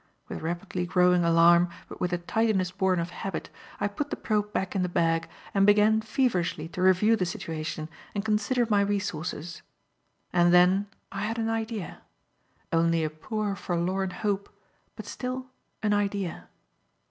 With rapidly growing alarm, but with a tidiness born of habit, I put the probe back in the bag and began feverishly to review the situation and consider my resources. And then I had an idea; only a poor, forlorn hope, but still an idea.